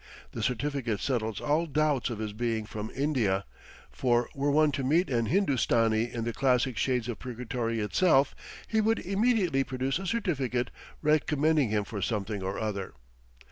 The certificate settles all doubts of his being from India, for were one to meet an Hindostani in the classic shades of purgatory itself, he would immediately produce a certificate recommending him for something or other.